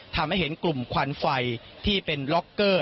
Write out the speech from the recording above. ทำให้เห็นกลุ่มควันไฟที่เป็นล็อกเกอร์